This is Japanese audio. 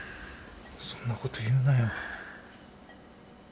そんなこと言うなよ。